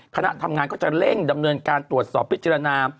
คณะทำงานก็จะเร่งดำเนินการตรวจสอบพิจารณา